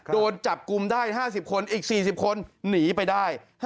โดนจับกลุ่มได้๕๐คนอีก๔๐คนหนีไปได้